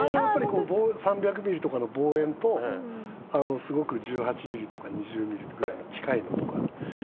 やっぱり３００ミリとかの望遠とすごく１８ミリとか２０ミリくらいの近いのとか。